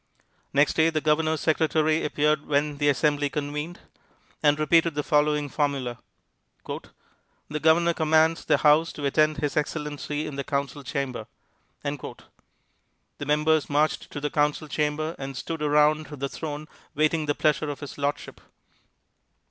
Next day, the Governor's secretary appeared when the Assembly convened, and repeated the following formula: "The Governor commands the House to attend His Excellency in the Council Chamber." The members marched to the Council Chamber and stood around the throne waiting the pleasure of His Lordship.